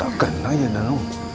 takutnya ya danung